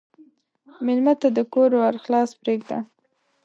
مېلمه ته د کور ور خلاص پرېږده.